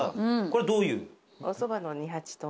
これどういう？